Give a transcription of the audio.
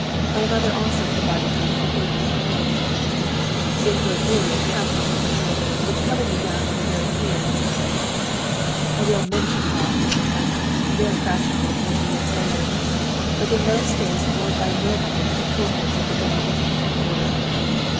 My mother also provided me with a good winter overcoat. It was really a capital overcoat, which covered me down to the very heels, a real Menshikov overcoat, very fashionable forty years later, but in those days worn by nobody but the porters of the Benedictine Order.